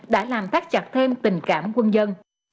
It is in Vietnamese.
đã làm tác chặt thêm tình cảm quân dân